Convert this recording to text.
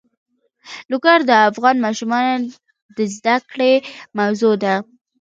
لوگر د افغان ماشومانو د زده کړې موضوع ده.